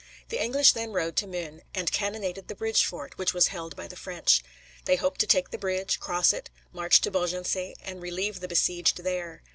The English then rode to Meun, and cannonaded the bridge fort, which was held by the French. They hoped to take the bridge, cross it, march to Beaugency, and relieve the besieged there.